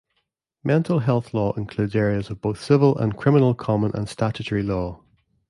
Mental health law includes areas of both civil and criminal common and statutory law.